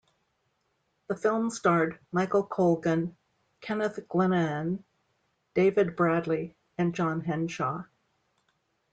The film starred Michael Colgan, Kenneth Glenaan, David Bradley and John Henshaw.